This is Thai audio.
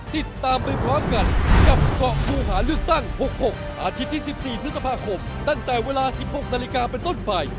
ติดตามไปพร้อมกันกับเกาะผู้หาเลือกตั้ง๖๖อาทิตย์ที่๑๔พฤษภาคมตั้งแต่เวลา๑๖นาฬิกาเป็นต้นไป